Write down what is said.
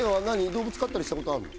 動物飼ったりしたことあるの？